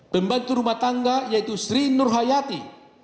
pembantu rumah tangga yaitu sri nurhayati